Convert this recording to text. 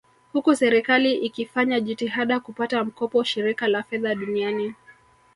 Huku serikali ikifanya jitihada kupata mkopo Shirika la Fedha Duniani